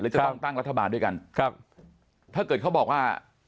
หรือจะต้องตั้งรัฐบาลด้วยกันถ้าเกิดเค้าบอกว่า